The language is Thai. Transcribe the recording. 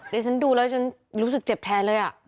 แต่ฉันดูแล้วรู้สึกเจ็บแทนเลย